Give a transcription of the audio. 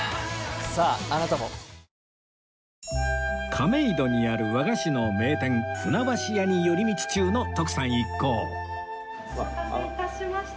亀戸にある和菓子の名店船橋屋に寄り道中の徳さん一行お待たせ致しました。